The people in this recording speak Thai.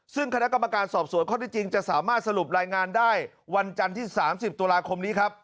ซึ่งคณะกรรมการสอบสวนข้อที่จริงจะสามารถสรุปรายงานได้วันจันทร์ที่๓๐ตุลาคมนี้ครับ